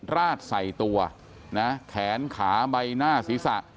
ราดใส่ตัวนะแขนขาใบหน้าศีรษะ